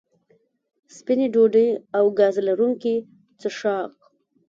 سپینې ډوډۍ او ګاز لرونکي څښاک